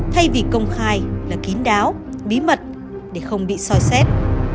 thay vì công khai là kín đáo bí mật để không bị soi xét